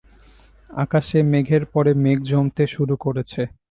আকাশে মেঘের পরে মেঘ জমতে শুরু করেছে।